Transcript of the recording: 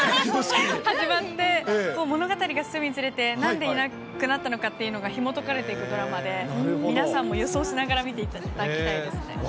始まって、物語が進むにつれて、なんでいなくなったのかっていうのが、ひもとかれていくドラマで、皆さんも予想しながら見ていただきたいですね。